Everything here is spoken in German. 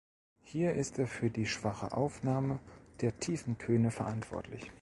Hier ist er für die schwache Aufnahme der tiefen Töne verantwortlich.